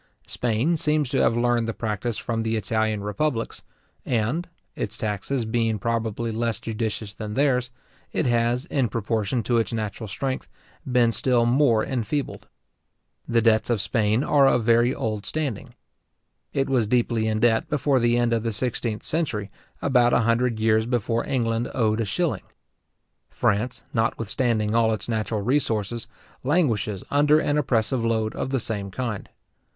Spain seems to have learned the practice from the Italian republics, and (its taxes being probably less judicious than theirs) it has, in proportion to its natural strength, been still more enfeebled. The debts of Spain are of very old standing. It was deeply in debt before the end of the sixteenth century, about a hundred years before England owed a shilling. France, notwithstanding all its natural resources, languishes under an oppressive load of the same kind.